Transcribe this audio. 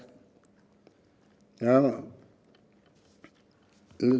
đúng không ạ